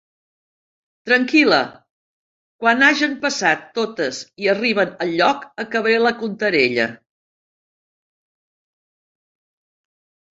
Tranquil·la, quan hagen passat totes i arriben al lloc acabaré la contarella.